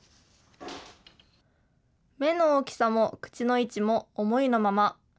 目の大きさも口の位置も思いのまま。